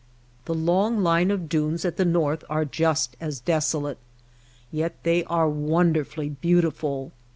The long line of dunes at the north are just as desolate, yet they are wonderfully beautiful.